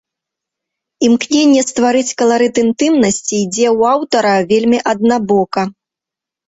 Імкненне стварыць каларыт інтымнасці ідзе ў аўтара вельмі аднабока.